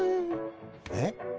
えっ？